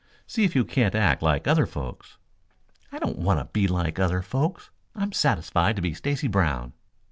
See if you can't act like other folks." "I don't want to be like other folks. I'm satisfied to be Stacy Brown."